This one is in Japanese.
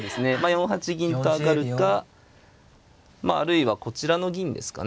４八銀と上がるかあるいはこちらの銀ですかね。